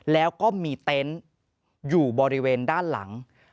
แล้วก็มีเต็นต์อยู่บริเวณด้านหลัง